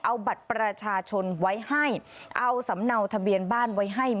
เอาบัตรประชาชนไว้ให้เอาสำเนาทะเบียนบ้านไว้ให้